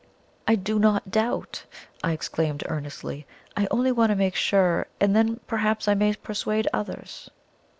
"I do not doubt!" I exclaimed earnestly. "I only want to make sure, and then perhaps I may persuade others."